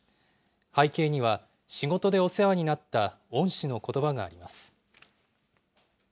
背景には、仕事でお世話になった恩師のことばがあります。